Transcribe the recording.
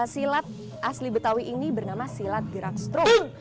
silat asli betawi ini bernama silat gerak strong